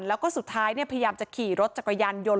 แล้วก็สุดท้ายพยายามจะขี่รถจักรยานยนต์